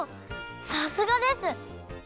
さすがです！